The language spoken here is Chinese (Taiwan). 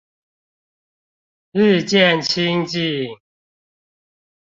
日漸親近